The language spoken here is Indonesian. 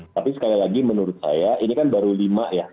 tapi sekali lagi menurut saya ini kan baru lima ya